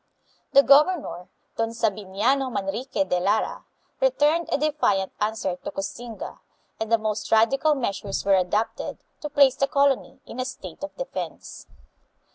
The governor, Don Sabiniano Manrique de Lara, returned a defiant answer to Koxinga, and the most radical measures were adopted to place the colony in a state of defense.